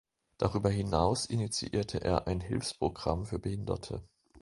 Darüber hinaus initiierte er ein Hilfsprogramm für Behinderte.